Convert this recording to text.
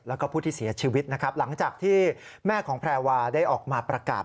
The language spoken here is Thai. แล้วก็ผู้ที่เสียชีวิตนะครับหลังจากที่แม่ของแพรวาได้ออกมาประกาศ